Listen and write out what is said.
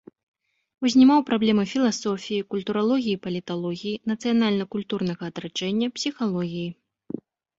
Узнімаў праблемы філасофіі, культуралогіі і паліталогіі, нацыянальна-культурнага адраджэння, псіхалогіі.